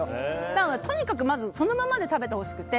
なので、とにかくまずはそのままで食べてほしくて。